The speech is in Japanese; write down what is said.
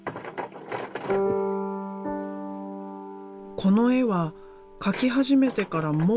この絵は描き始めてからもう８年。